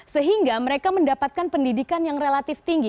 sehingga mereka mendapatkan pendidikan yang relatif tinggi